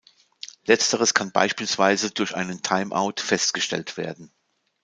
Letzteres kann beispielsweise durch einen Timeout festgestellt werden.